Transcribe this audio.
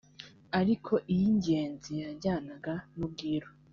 ariko iy’ingenzi yajyanaga n’ubwiru